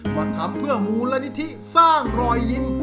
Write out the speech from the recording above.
ก็ทำเพื่อมูลนิธิสร้างรอยยิ้ม